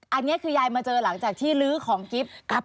อันนี้คือยายมาเจอหลังจากที่ลื้อของกิฟต์